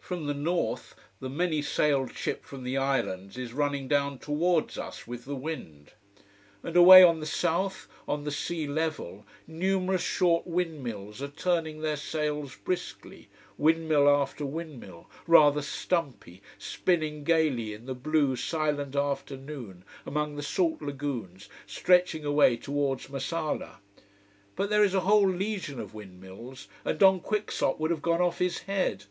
From the north the many sailed ship from the islands is running down towards us, with the wind. And away on the south, on the sea level, numerous short windmills are turning their sails briskly, windmill after windmill, rather stumpy, spinning gaily in the blue, silent afternoon, among the salt lagoons stretching away towards Marsala. But there is a whole legion of windmills, and Don Quixote would have gone off his head.